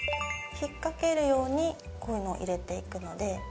引っ掛けるようにこういうの入れていくので。